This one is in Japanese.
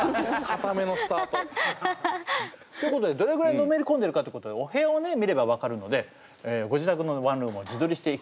かためのスタート。ということでどれぐらいのめりこんでるかってことでお部屋をね見れば分かるのでご自宅のワンルームを自撮りしてきていただきました。